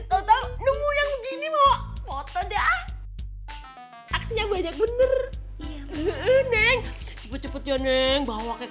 tahu tahu nunggu yang begini mau foto dah aksinya banyak bener neng cepet cepet ya neng bahwa kayak